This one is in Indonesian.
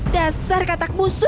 dasar katak musuh